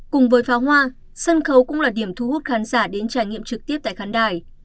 cùng với pháo hoa sân khấu cũng là điểm thu hút khán giả đến trải nghiệm trực tiếp tại khán đài